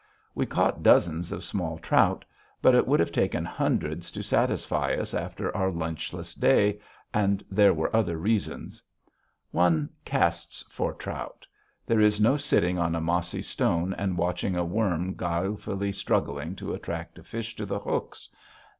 We caught dozens of small trout. But it would have taken hundreds to satisfy us after our lunchless day, and there were other reasons. One casts for trout. There is no sitting on a mossy stone and watching a worm guilefully struggling to attract a fish to the hooks.